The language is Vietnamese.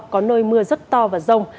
có nơi mưa rất to và rong